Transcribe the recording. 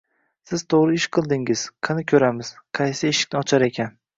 Siz to`g`ri ish qildingiz, qani ko`ramiz, qaysi eshikni ochar ekan